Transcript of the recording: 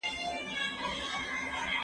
ته ولي سندري اورې.